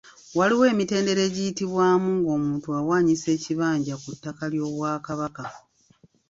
Waliwo emitendera egiyitibwamu nga omuntu awaanyisa ekibanja ku ttaka ly'Obwakabaka.